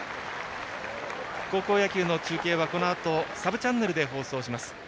高校野球の中継はこのあとサブチャンネルで放送します。